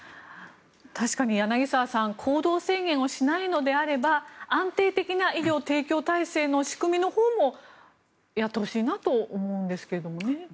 確かに柳澤さん行動制限をしないのであれば安定的な医療提供体制の仕組みのほうもやってほしいなと思うんですけどね。